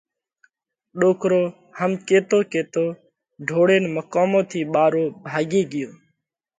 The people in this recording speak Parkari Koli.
ڏوڪرو هم ڪيتو ڪيتو ڍوڙينَ مقومون ٿِي ٻارو ڀاڳي ڳيو.